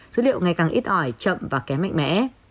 dữ liệu ngày càng ít ỏi chậm và kém mạnh mẽ